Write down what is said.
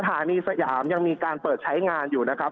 สถานีสยามยังมีการเปิดใช้งานอยู่นะครับ